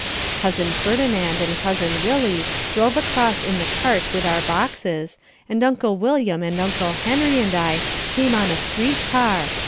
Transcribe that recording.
Cousin Ferdinand and Cousin Willie drove across in the cart with our boxes, and Uncle William and Uncle Henry and I came on a street car.